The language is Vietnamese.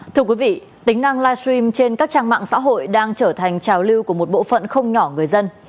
thưa quý vị tính năng livestream trên các trang mạng xã hội đang trở thành trào lưu của một bộ phận không nhỏ người dân